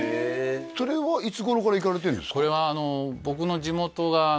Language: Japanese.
それはいつ頃から行かれてるんですか？